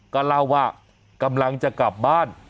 ก็เล่าว่ากำลังจะกลับบ้าน